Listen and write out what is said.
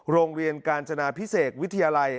โรงเรียนกาญจนาพิเศกวิทยาลัย